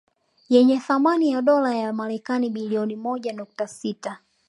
Yenye thamani ya dola za Marekani bilioni moja nukta sita